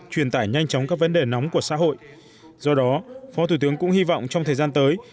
truyền tải nhanh chóng các vấn đề nóng của xã hội do đó phó thủ tướng cũng hy vọng trong thời gian tới